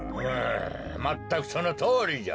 まったくそのとおりじゃ。